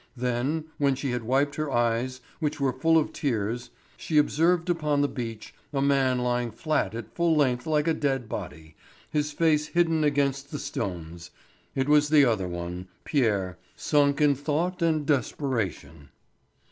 Then, when she had wiped her eyes, which were full of tears, she observed upon the beach a man lying flat at full length like a dead body, his face hidden against the stones; it was the other one, Pierre, sunk in thought and desperation.